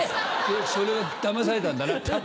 それはだまされたんだな。